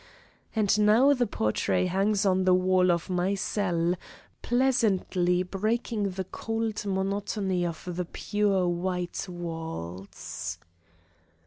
And now the portrait hangs on the wall of my cell, pleasantly breaking the cold monotony of the pure white walls.